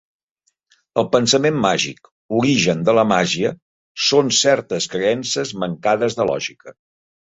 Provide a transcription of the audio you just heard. El pensament màgic, origen de la màgia, són certes creences mancades de lògica.